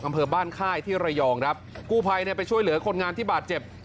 อำเภอบ้านค่ายที่ระยองครับกู้ภัยเนี่ยไปช่วยเหลือคนงานที่บาดเจ็บ